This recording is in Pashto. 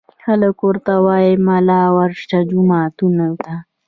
خلک ورته وايي ملا ورشه جوماتونو ته